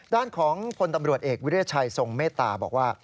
ด้านของพลตำรวจเอกวิทยาชัยทรงเมตตาบอกว่า